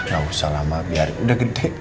gak usah lama biar udah gede